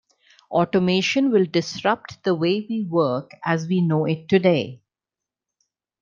Automation will disrupt the way we work as we know it today.